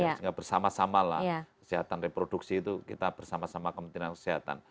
sehingga bersama samalah kesehatan reproduksi itu kita bersama sama kementerian kesehatan